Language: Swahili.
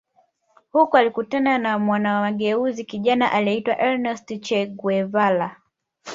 Huko alikutana na mwana mageuzi kijana aliyeitwa Ernesto Che Guevara